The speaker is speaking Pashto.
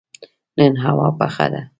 نن هوا یخه ده